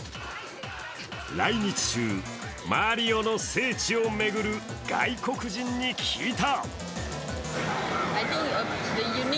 来日中、マリオの聖地を巡る外国人に聞いた。